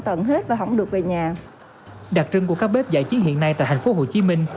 tần hết và không được về nhà đặc trưng của các bếp giải trí hiện nay tại thành phố hồ chí minh